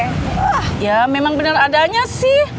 wah ya memang benar adanya sih